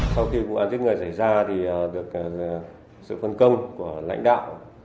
sau khi vụ án giết người xảy ra thì được sự phân công của lãnh đạo